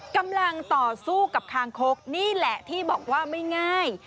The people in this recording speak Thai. กำลังต่อสู้กับคางคกนี่แหละที่บอกว่าไม่ง่าย